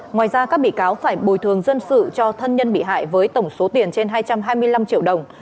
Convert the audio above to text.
ngoài ra các bị cáo phải bồi thường dân sự cho thân nhân bị hại với tổng số tiền trên hai trăm hai mươi năm triệu đồng